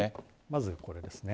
まずこれですね。